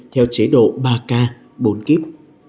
theo chế độ ba k bốn kip